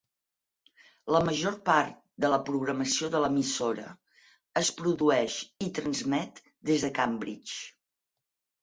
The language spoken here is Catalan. La major part de la programació de l'emissora es produeix i transmet des de Cambridge.